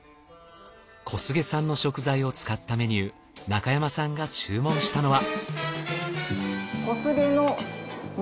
小菅産の食材を使ったメニュー中山さんが注文したのは。